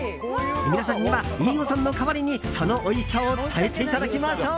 皆さんには飯尾さんの代わりにそのおいしさを伝えていただきましょう。